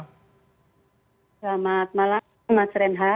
selamat malam mas yudhaya